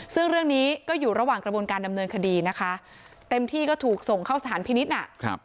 ซึ่งเรื่องนี้ก็อยู่ระหว่างกระบวนการดำเนินคดีนะคะเต็มที่ก็ถูกส่งเข้าสถานพินิษฐ์น่ะ